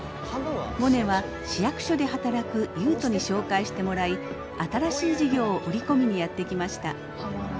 モネは市役所で働く悠人に紹介してもらい新しい事業を売り込みにやって来ました。